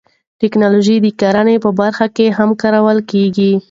تکنالوژي د کرنې په برخه کې هم کارول کیږي.